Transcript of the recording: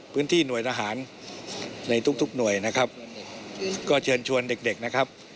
พื้นที่หน่วยทหารในทุกทุกหน่วยนะครับก็เชิญชวนเด็กเด็กนะครับ